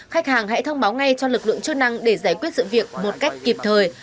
khách hàng hãy thông báo ngay cho lực lượng chức năng để giải quyết sự việc một cách kịp thời